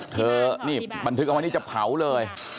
เธอนี่บันทึกเอาไว้นี่จะเผาเลย